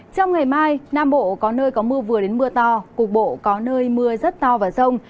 trong ngày mai nam bộ có nơi có mưa vừa đến mưa to cục bộ có nơi mưa rất to và rông